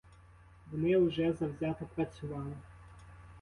Вони вже завзято працювали.